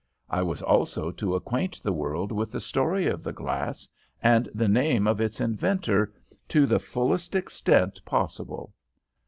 I was also to acquaint the world with the story of the glass and the name of its inventor to the fullest extent possible."